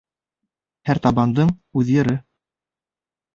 Һәр табандың үҙ йыры.